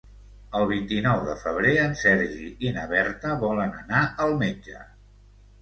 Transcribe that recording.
El vint-i-nou de febrer en Sergi i na Berta volen anar al metge.